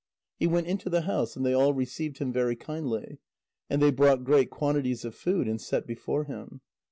He went into the house, and they all received him very kindly. And they brought great quantities of food and set before him.